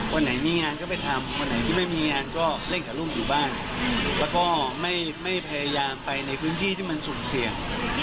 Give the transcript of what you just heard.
วันไหนมีงานก็ไปทำวันไหนที่ไม่มีงานก็เล่นกับลูกอยู่บ้านแล้วก็ไม่พยายามไปในพื้นที่ที่มันสุ่มเสี่ยง